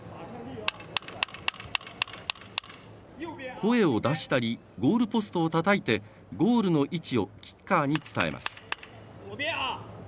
声を出したりゴールポストをたたいてゴールの位置をキッカーに伝えます。